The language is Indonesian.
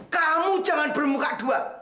kamu jangan bermuka dua